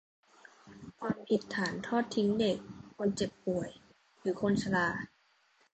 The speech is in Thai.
ความผิดฐานทอดทิ้งเด็ก คนป่วยเจ็บ หรือคนชรา